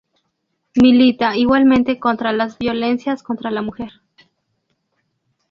Milita igualmente contra las violencias contra la mujer.